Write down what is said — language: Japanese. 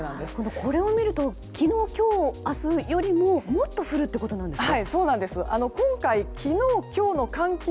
これを見ると昨日、今日、明日よりももっと降るってことですか？